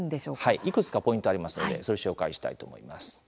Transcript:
いくつかポイントありますのでそれを紹介したいと思います。